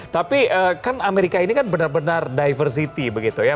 tapi kan amerika ini kan benar benar diversity begitu ya